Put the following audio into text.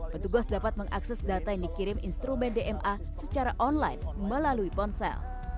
petugas dapat mengakses data yang dikirim instrumen dma secara online melalui ponsel